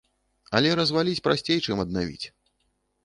Але разваліць прасцей, чым аднавіць.